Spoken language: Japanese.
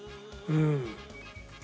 うん。